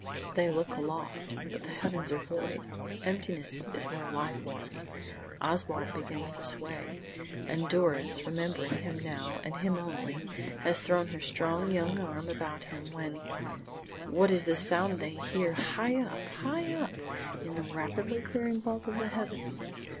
They look aloft, but the heavens are void. Emptiness is where life was. Oswald begins to sway, and Doris, remembering him now and him only, has thrown her strong young arm about him, when What is this sound they hear high up, high up, in the rapidly clearing vault of the heavens!